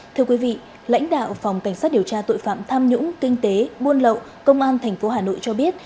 thưa quý vị lãnh đạo phòng cảnh sát điều tra tội phạm tham nhũng kinh tế buôn lậu công an tp hà nội cho biết